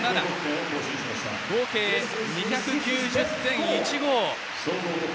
合計２９０．１５。